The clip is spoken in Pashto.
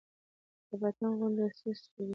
د پتنګ غوندې ستي دى